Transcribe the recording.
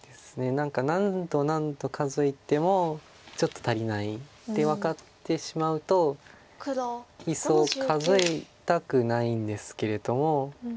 何か何度何度数えてもちょっと足りないって分かってしまうといっそ数えたくないんですけれども。